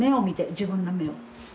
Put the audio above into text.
自分の目を。